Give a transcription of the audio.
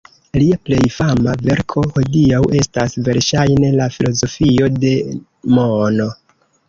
Lia plej fama verko hodiaŭ estas verŝajne "La filozofio de mono".